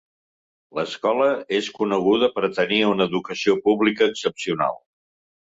L'escola és coneguda per tenir una educació pública excepcional.